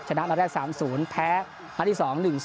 ชนะมาแรก๓๐แพ้มาที่๒๑๒